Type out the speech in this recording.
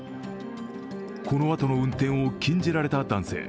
このあとの運転を禁じられた男性。